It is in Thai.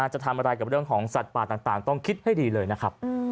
จะทำอะไรกับเรื่องของสัตว์ป่าต่างต้องคิดให้ดีเลยนะครับ